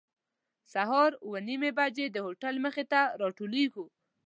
سهار اوه نیمې بجې د هوټل مخې ته راټولېږو.